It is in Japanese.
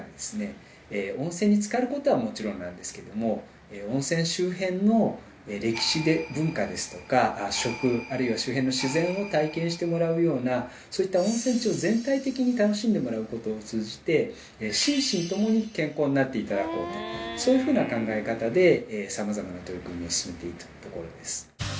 環境省では温泉周辺の歴史文化ですとか食あるいは周辺の自然を体験してもらうようなそういった温泉地を全体的に楽しんでもらうことを通じて心身ともに健康になっていただこうとそういうふうな考え方で様々な取り組みを進めていたところです